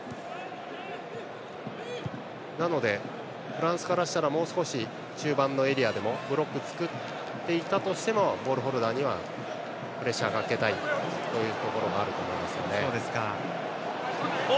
なので、フランスからしたらもう少し中盤のエリアでもブロックを作っていったとしてもボールホルダーにはプレッシャーをかけたいというところがあると思います。